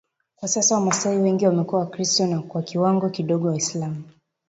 Kwa sasa Wamasai wengi wamekuwa Wakristo na kwa kiwango kidogo Waislamu